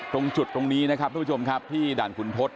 ตรงจุดตรงนี้นะครับทุกผู้ชมครับที่ด่านขุนทศ